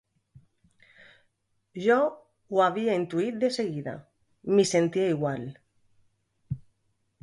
Jo ho havia intuït de seguida; m'hi sentia igual...